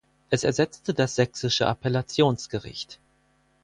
Es ersetzte das Sächsische Appellationsgericht.